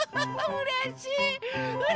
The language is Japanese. うれしい！